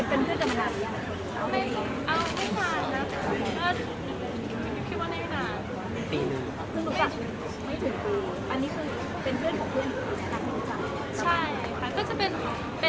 เอาไม่หมานะ